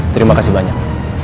terima kasih banyak